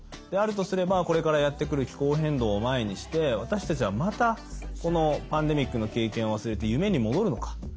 であるとすればこれからやって来る気候変動を前にして私たちはまたこのパンデミックの経験を忘れて夢に戻るのか。